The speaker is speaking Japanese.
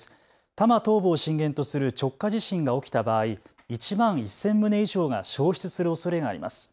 多摩東部を震源とする直下地震が起きた場合、１万１０００棟以上が焼失するおそれがあります。